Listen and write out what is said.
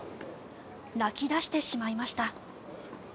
泣き出してしまいました。